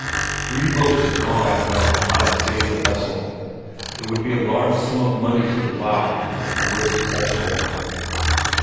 Three boats had gone out now to try and save the vessel; there would be a large sum of money to divide if they were successful.